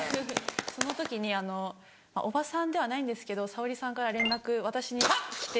その時にあのオバサンではないんですけど沙保里さんから連絡私に来て。